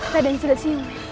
raden sudah siung